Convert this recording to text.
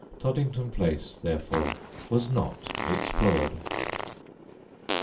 Toddington Place, therefore, was not explored.